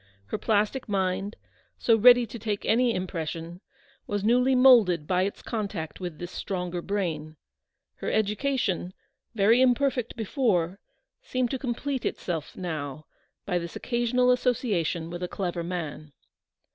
Her plastic mind, so ready to take any impression, was newly moulded by its contact with this stronger brain. Her education, very imperfect before, seemed to com THE PRODIGALS RETURN. 275 plete itself now by this occasional association with a clever man.